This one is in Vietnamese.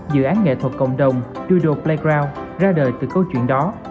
dự án nghệ thuật cộng đồng kidudo playground ra đời từ câu chuyện đó